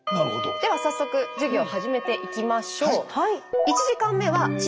では早速授業を始めていきましょう。